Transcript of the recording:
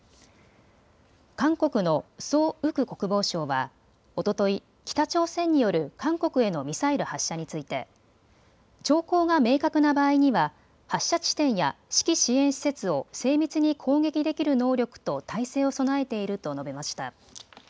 韓国のソ・ウク国防相はおととい、北朝鮮による韓国へのミサイル発射について兆候が明確な場合には発射地点や指揮・支援施設を精密に攻撃できる能力と態勢を備えていると述べました。